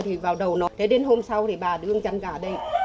thì vào đầu nó đến hôm sau thì bà đưa chân cả đây